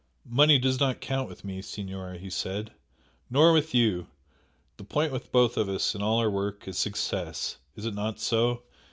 "Money does not count with me, Signora!" he said "Nor with you. The point with both of us in all our work is success! Is it not so?